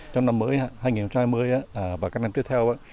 trong năm mới hai nghìn hai mươi và các năm tiếp theo